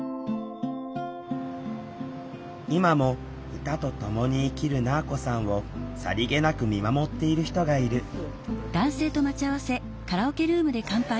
今も歌とともに生きるなぁこさんをさりげなく見守っている人がいる乾杯。